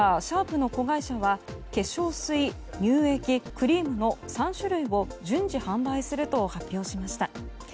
シャープの子会社は化粧水、乳液クリームの３種類を順次販売するとしました。